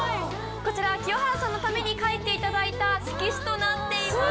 こちらは清原さんのために描いていただいた色紙となっています。